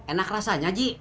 enak rasanya ji